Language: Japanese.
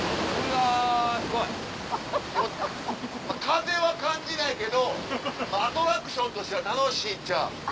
風は感じないけどアトラクションとしては楽しいんちゃう？